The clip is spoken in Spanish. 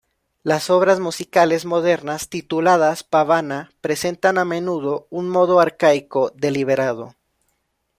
Las obras musicales modernas tituladas "Pavana" presentan a menudo un modo arcaico deliberado.